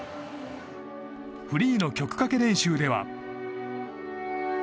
フリーの曲かけ練習では。